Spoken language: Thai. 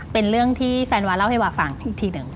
เป็นเรื่องที่แฟนวาเล่าให้วาฟังอีกทีหนึ่ง